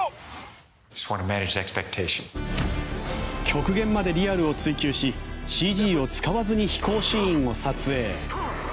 極限までリアルを追求しＣＧを使わずに飛行シーンを撮影。